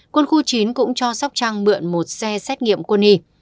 quân khu chín cũng cho sóc trăng mượn một xe xét nghiệm quân y